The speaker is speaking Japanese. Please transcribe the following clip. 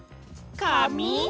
かみ？